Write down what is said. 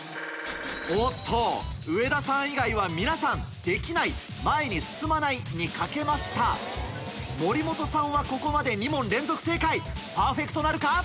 おっと上田さん以外は皆さん「できない前に進まない」に賭けました森本さんはここまで２問連続正解パーフェクトなるか？